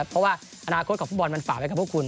เพราะว่าอนาคตของฟุตบอลมันฝากไว้กับพวกคุณ